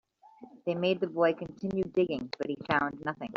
They made the boy continue digging, but he found nothing.